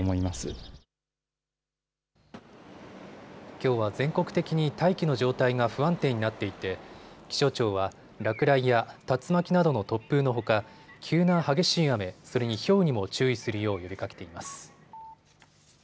きょうは全国的に大気の状態が不安定になっていて気象庁は落雷や竜巻などの突風のほか、急な激しい雨、それにひょうにも注意するよう呼びかけています。